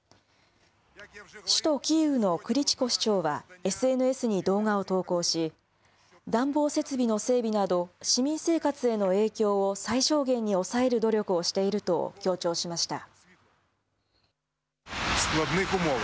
首都キーウのクリチコ市長はＳＮＳに動画を投稿し、暖房設備の整備など、市民生活への影響を最小限に抑える努力をしていると強調しました。